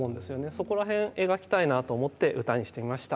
そこら辺描きたいなと思って歌にしてみました。